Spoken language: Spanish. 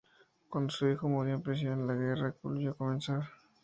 Cuando su hijo murió en prisión, la guerra volvió a comenzar.